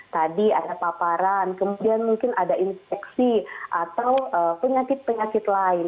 tadi ada paparan kemudian mungkin ada infeksi atau penyakit penyakit lain